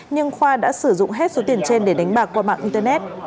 nhưng khoa đã sử dụng hết số tiền trên để đánh bạc qua mạng internet